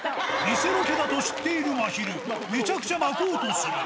偽ロケだと知っているまひる、めちゃくちゃ巻こうとする。